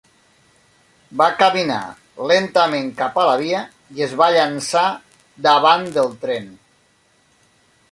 Va caminar lentament cap a la via i es va llançar davant del tren.